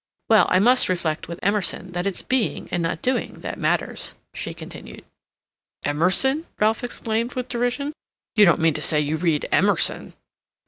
"Well, I must reflect with Emerson that it's being and not doing that matters," she continued. "Emerson?" Ralph exclaimed, with derision. "You don't mean to say you read Emerson?"